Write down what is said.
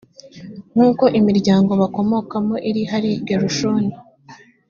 nk uko imiryango bakomokamo iri hari gerushoni